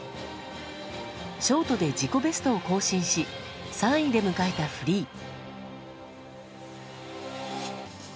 ショートで自己ベストを更新し３位で迎えたフリー。